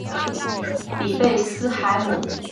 比贝斯海姆阿姆赖因是德国黑森州的一个市镇。